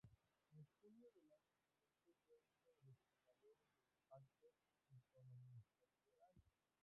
En junio del año siguiente fue uno de los fundadores del Pacto Autonomista Liberal.